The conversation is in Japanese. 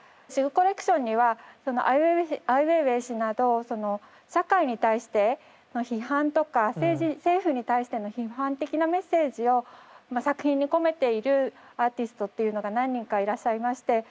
シグコレクションにはそのアイウェイウェイ氏など社会に対しての批判とか政府に対しての批判的なメッセージを作品に込めているアーティストというのが何人かいらっしゃいまして。